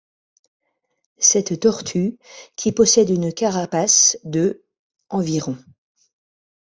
Cette tortue qui possède une carapace de environ.